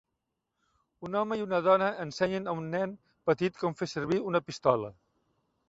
Un home i una dona ensenyen a un nen petit com fer servir una pistola.